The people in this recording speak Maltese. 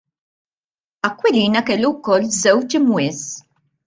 Aquilina kellu wkoll żewġ imwies.